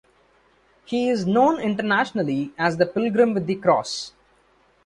He is known internationally as the Pilgrim with the Cross.